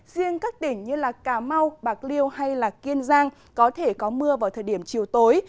riêng các tỉnh như cà mau bạc liêu hay kiên giang có thể có mưa vào thời điểm chiều tối